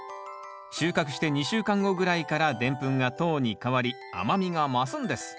収穫して２週間後ぐらいからでんぷんが糖に変わり甘みが増すんです。